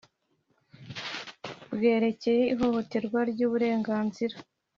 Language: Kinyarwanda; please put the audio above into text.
bwerekeye ihohoterwa ry uburenganzira